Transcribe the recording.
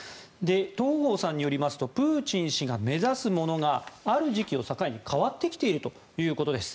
東郷さんによりますとプーチン氏が目指すものがある時期を境に変わってきているということです。